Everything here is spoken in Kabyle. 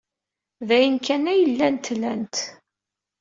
D ayen kan ay llant lant.